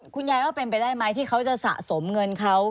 คุณยายว่าเป็นไปได้ไหมที่เขาจะสะสมเงินเขา